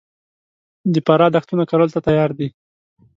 د فراه دښتونه کرلو ته تیار دي